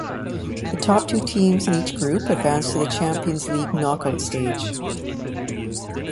The top two teams in each group advanced to the Champions League knockout stage.